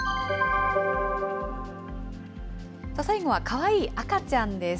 最後はかわいい赤ちゃんです。